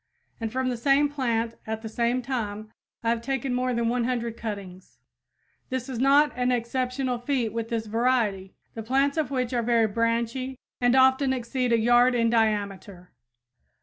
And from the same plant at the same time I have taken more than 100 cuttings. This is not an exceptional feat with this variety, the plants of which are very branchy and often exceed a yard in diameter.